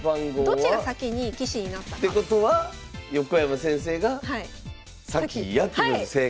どっちが先に棋士になったか。ってことは横山先生が先やってことで正解！